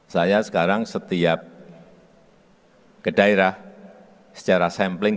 saya sekarang setiap ke daerah secara sampling